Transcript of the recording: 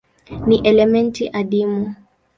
Ni elementi adimu.